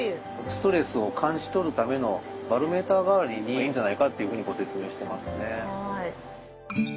ストレスを感じ取るためのバロメーター代わりにいいんじゃないかっていうふうにご説明してますね。